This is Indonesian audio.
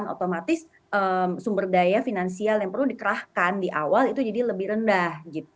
otomatis sumber daya finansial yang perlu dikerahkan di awal itu jadi lebih rendah